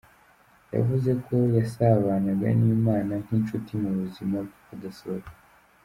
Yavuze ko yasabanaga n’Imana nk’inshuti mu buzima bw’akadasohoka.